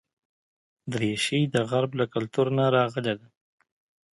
دریشي د غرب له کلتور نه راغلې ده.